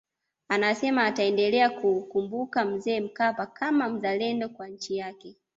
Anasema ataendelea kumkumbuka Mzee Mkapa kama mzalendo kwa nchi yake